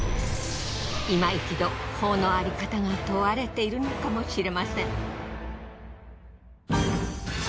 今一度法の有り方が問われているのかもしれません。